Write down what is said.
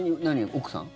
奥さん？